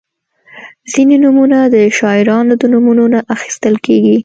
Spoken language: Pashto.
• ځینې نومونه د شاعرانو د نومونو نه اخیستل کیږي.